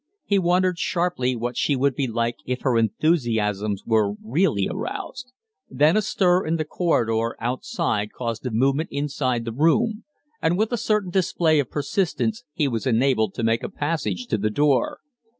He wondered sharply what she would be like if her enthusiasms were really aroused. Then a stir in the corridor outside caused a movement inside the room; and with a certain display of persistence he was enabled to make a passage to the door.